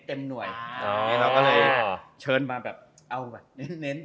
ก็เลยเชิญมาแบบเอาแบบเน้น